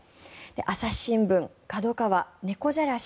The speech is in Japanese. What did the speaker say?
朝日新聞、ＫＡＤＯＫＡＷＡねこじゃらし